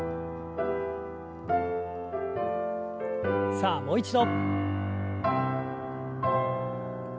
さあもう一度。